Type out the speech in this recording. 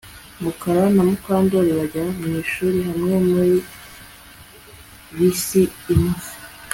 Mukara na Mukandoli bajya mwishuri hamwe muri bisi imwe